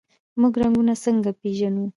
موږ رنګونه څنګه پیژنو؟